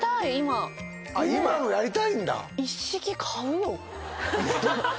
今もやりたいんだ